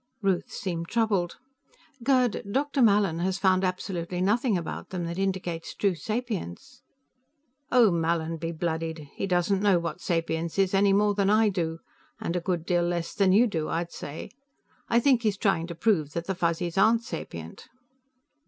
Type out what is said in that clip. Ruth seemed troubled. "Gerd, Dr. Mallin has found absolutely nothing about them that indicates true sapience." "Oh, Mallin be bloodied; he doesn't know what sapience is any more than I do. And a good deal less than you do, I'd say. I think he's trying to prove that the Fuzzies aren't sapient."